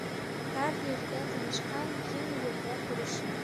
Тар ерҙә танышҡан киң ерҙә күрешер.